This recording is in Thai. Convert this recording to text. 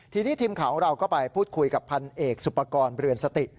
ทีนี้ทีมข่าวของเราก็ไปพูดคุยกับพันเอกสุปกรณ์เรือนสติ